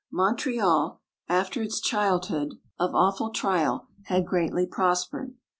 Montreal, after its childhood of awful trial, had greatly prospered.